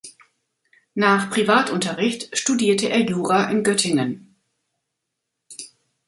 Nach Privatunterricht studierte er Jura in Göttingen.